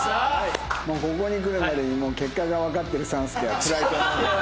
ここに来るまでにもう結果がわかってる３助はつらいと思うけど。